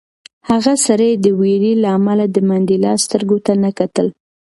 هغه سړي د وېرې له امله د منډېلا سترګو ته نه کتل.